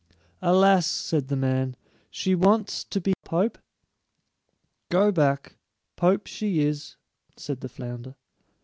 "Alas" said the man, "she wants to be pope." "Go back. Pope she is," said the flounder.